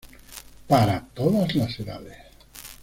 Para todas las edades